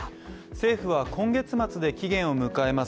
政府は今月末で期限を迎えます